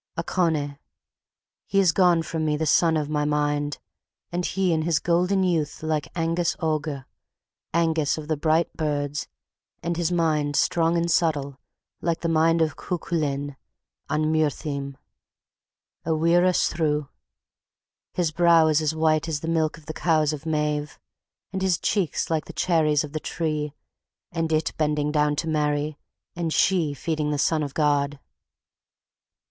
"Ochone He is gone from me the son of my mind And he in his golden youth like Angus Oge Angus of the bright birds And his mind strong and subtle like the mind of Cuchulin on Muirtheme. Awirra sthrue His brow is as white as the milk of the cows of Maeve And his cheeks like the cherries of the tree And it bending down to Mary and she feeding the Son of God.